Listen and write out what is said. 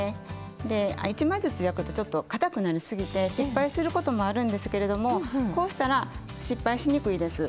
で１枚ずつ焼くとちょっとかたくなりすぎて失敗することもあるんですけれどもこうしたら失敗しにくいです。